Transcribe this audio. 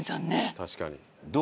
確かに。